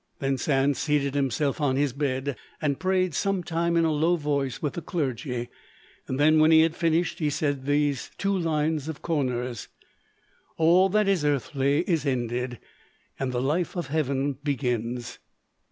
Then Sand seated himself on his bed and prayed some time in a low voice with the clergy; then, when he had finished, he said these two lines of Korner's: "All that is earthly is ended, And the life of heaven begins."